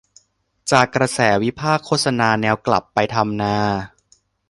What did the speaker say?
จากกระแสวิพากษ์โฆษณาแนวกลับไปทำนา